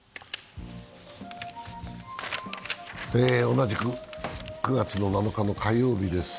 同じく９月の７日の火曜日です。